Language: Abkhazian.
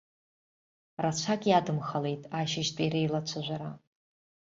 Рацәак иадымхалеит ашьыжьтәи реилацәажәара.